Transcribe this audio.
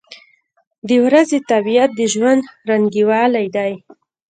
• د ورځې طبیعت د ژوند رنګینوالی دی.